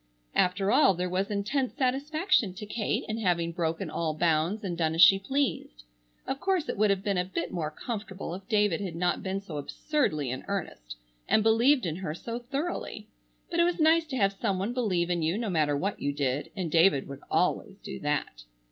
After all there was intense satisfaction to Kate in having broken all bounds and done as she pleased. Of course it would have been a bit more comfortable if David had not been so absurdly in earnest, and believed in her so thoroughly. But it was nice to have some one believe in you no matter what you did, and David would always do that.